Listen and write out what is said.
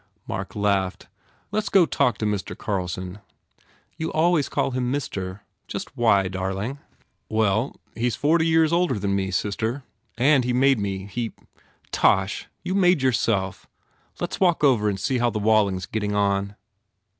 Mark laughed, "Let s go talk to Mr. Carlson." "You always call him Mister. Just why, dar ling?" 155 THE FAIR REWARDS "Well, he s forty years older than me, sister. And he made me. He " "Tosh! You made yourself! Let s walk over and see how the Walling s getting on."